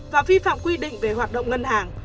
và vi phạm quy định về hoạt động ngân hàng